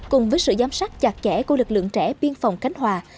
cùng với sự giám sát chặt chẽ của lực lượng trẻ biên phòng cánh hòa